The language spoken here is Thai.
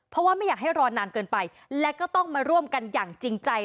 เพราะว่าไม่อยากให้รอนานเกินไปและก็ต้องมาร่วมกันอย่างจริงใจ